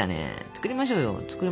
作りましょう。